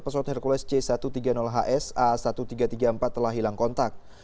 pesawat hercules c satu ratus tiga puluh hs a seribu tiga ratus tiga puluh empat telah hilang kontak